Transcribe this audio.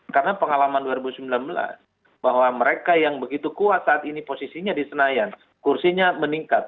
karena pengalaman dua ribu sembilan belas bahwa mereka yang begitu kuat saat ini posisinya di senayan kursinya meningkat